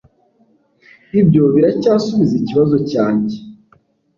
Ibyo biracyasubiza ikibazo cyanjye